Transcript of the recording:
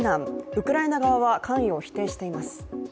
ウクライナ側は、関与を否定しています。